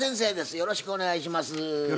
よろしくお願いします。